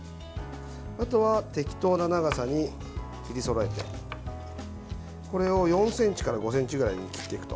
あとは適当な長さに切りそろえてこれを４ｃｍから５ｃｍくらいに切っていくと。